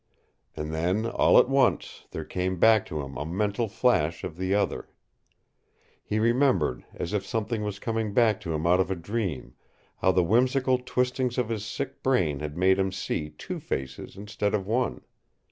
And then, all at once, there came back to him a mental flash of the other. He remembered, as if something was coming back to him out of a dream, how the whimsical twistings of his sick brain had made him see two faces instead of one.